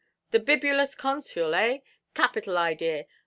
The bibulous consul, eh! Capital idea.